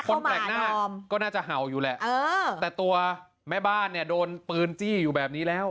คนแปลกหน้าก็น่าจะเห่าอยู่แหละแต่ตัวแม่บ้านเนี่ยโดนปืนจี้อยู่แบบนี้แล้ว